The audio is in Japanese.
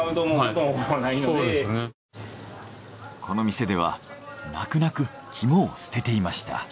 この店では泣く泣くキモを捨てていました。